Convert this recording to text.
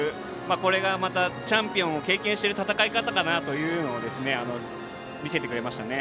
これがまたチャンピオンを経験してる戦い方かなというのを見せてくれましたね。